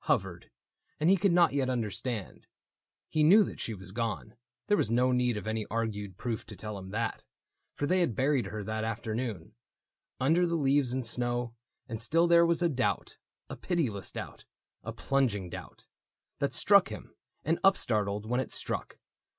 Hovered, and he could not yet understand. He knew that she was gone — there was no need Of any argued proof to tell him that. For they had buried her that afternoon. Under the leaves and snow ; and still there was A doubt, a pitiless doubt, a plunging doubt, 128 THE BOOK OF ANNANDALE That struck him, and upstartled when it struck.